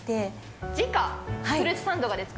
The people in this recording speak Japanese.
フルーツサンドがですか？